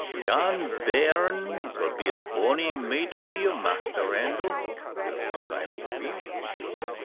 "Yon bairn will be a bonny mate for you, Maister Randal," said old Simon Grieve.